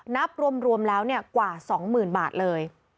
นับรวมแล้วกว่า๒๐๐๐บาทเลย